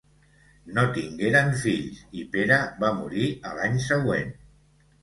No tingueren fills i Pere va morir a l'any següent.